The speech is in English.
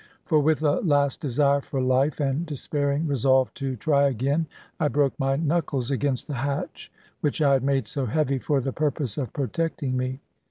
For with a last desire for life, and despairing resolve to try again, I broke my knuckles against the hatch which I had made so heavy for the purpose of protecting me.